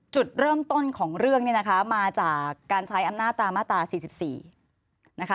จุดเริ่มต้นของเรื่องเนี่ยนะคะมาจากการใช้อำนาจตามมาตรา๔๔นะคะ